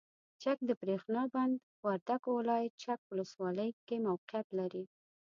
چک دبریښنا بند وردګو ولایت چک ولسوالۍ کې موقعیت لري.